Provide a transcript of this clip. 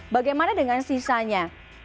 bagaimana dengan sisanya